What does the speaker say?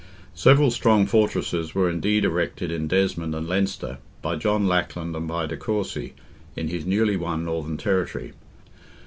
Several strong fortresses were indeed erected in Desmond and Leinster, by John Lackland and by de Courcy, in his newly won northern territory.